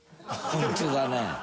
本当だね。